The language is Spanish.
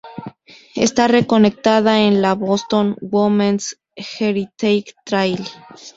Está recordada en la "Boston Women's Heritage Trail".